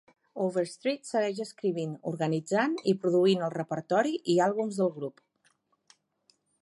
Overstreet segueix escrivint, organitzant i produint el repertori i àlbums del grup.